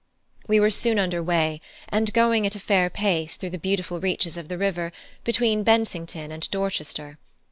We were soon under way and going at a fair pace through the beautiful reaches of the river, between Bensington and Dorchester.